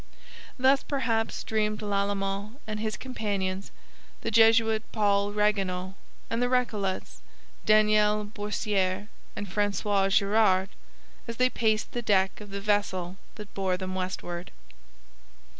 Thus, perhaps, dreamed Lalemant and his companions, the Jesuit Paul Ragueneau and the Recollets Daniel Boursier and Francois Girard, as they paced the deck of the vessel that bore them westward.